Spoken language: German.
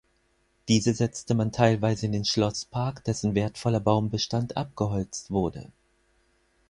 Diese setzte man teilweise in den Schlosspark, dessen wertvoller Baumbestand abgeholzt wurde.